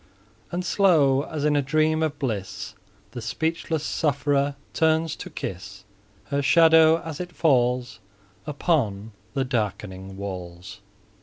And slow, as in a dream of bliss, The speechless sufferer turns to kiss Her shadow, as it falls Upon the darkening walls.